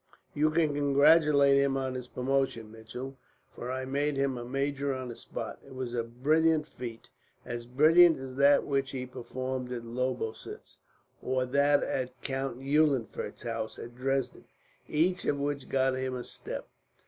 "'You can congratulate him on his promotion, Mitchell, for I made him a major on the spot. It was a brilliant feat, as brilliant as that which he performed at Lobositz, or that at Count Eulenfurst's house at Dresden, each of which got him a step.